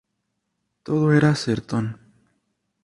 Todo era sertón.